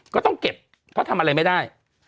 ก็ต้องเก็บเพราะทำอะไรไม่ได้